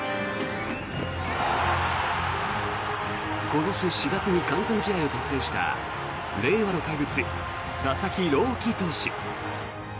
今年４月に完全試合を達成した令和の怪物、佐々木朗希投手。